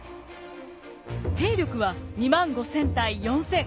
兵力は２万５，０００対４，０００。